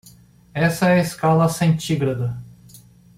Essa é a escala centigrada.